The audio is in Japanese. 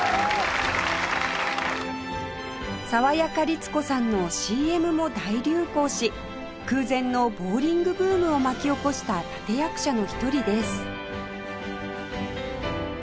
「さわやか律子さん」の ＣＭ も大流行し空前のボウリングブームを巻き起こした立役者の一人です